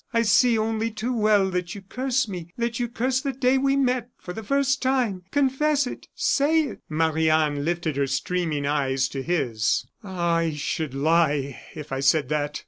I see only too well that you curse me, that you curse the day when we met for the first time! Confess it! Say it!" Marie Anne lifted her streaming eyes to his. "Ah! I should lie if I said that.